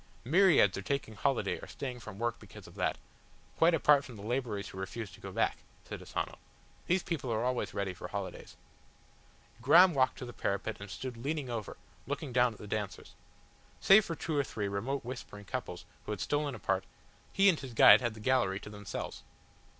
"Myriads are taking holiday or staying from work because of that, quite apart from the labourers who refuse to go back," said Asano. "These people are always ready for holidays." Graham walked to the parapet and stood leaning over, looking down at the dancers. Save for two or three remote whispering couples, who had stolen apart, he and his guide had the gallery to themselves.